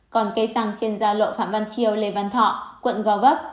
còn cây xăng trên da lộ phạm văn chiêu lê văn thọ quận gò vấp